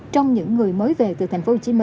trong những người mới về từ tp hcm